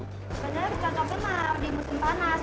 sebenarnya cocok cocok di musim panas